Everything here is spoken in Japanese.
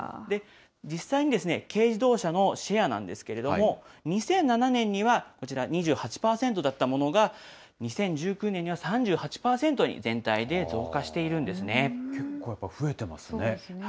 実際に軽自動車のシェアなんですけれども、２００７年にはこちら、２８％だったものが、２０１９年には３８％に全体で増加している結構、やっぱ増えてますね。